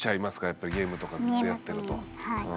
やっぱりゲームとかずっとやってると。